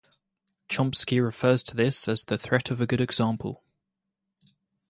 '" Chomsky refers to this as the "threat of a good example.